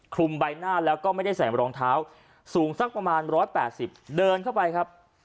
คลุมใบหน้าแล้วก็ไม่ได้ใส่รองเท้าสูงสักประมาณ๑๘๐เดินเข้าไปครับ